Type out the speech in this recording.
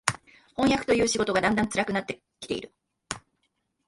飜訳という仕事がだんだん辛くなって来ている